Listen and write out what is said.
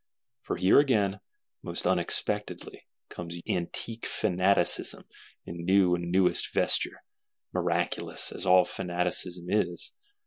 For here again, most unexpectedly, comes antique Fanaticism in new and newest vesture; miraculous, as all Fanaticism is.